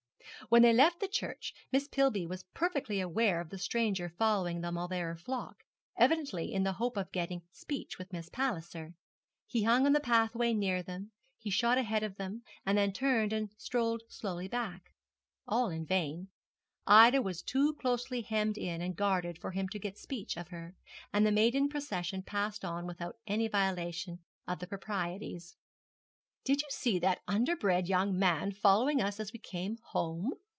When they left the church, Miss Pillby was perfectly aware of the stranger following the Mauleverer flock, evidently in the hope of getting speech with Miss Palliser. He hung on the pathway near them, he shot ahead of them, and then turned and strolled slowly back. All in vain. Ida was too closely hemmed in and guarded for him to get speech of her; and the maiden procession passed on without any violation of the proprieties. 'Did you see that underbred young man following us as we came home?'